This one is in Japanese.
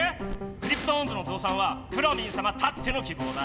クリプトオンズのぞうさんはくろミンさまたってのきぼうだ。